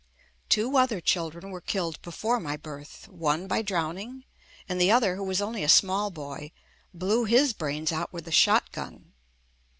Two other children were killed before my birth — one by drowning, and the other, who was only a small boy, blew his brains out with a shotgun.